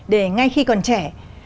để ngay khi còn trẻ